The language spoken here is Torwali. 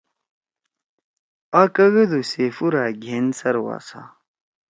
آ کہ گدُو سییفورأ گھین سرواسہ